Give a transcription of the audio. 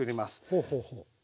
ほうほうほう。